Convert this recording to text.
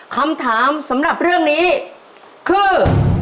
คำถามสำหรับเรื่องนี้คือ